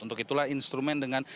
untuk itulah instrumen dengan